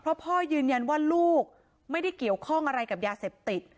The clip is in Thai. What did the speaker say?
เพราะพ่อยืนยันว่าลูกไม่ได้เกี่ยวข้องอะไรกับยาเสพติด